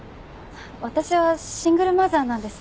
私はシングルマザーなんです。